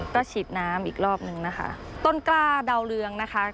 ก็ฉีดน้ำอีกรอบนึงนะคะต้นกล้าดาวเรืองนะคะ